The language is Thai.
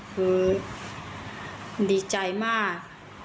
คือดีใจมาก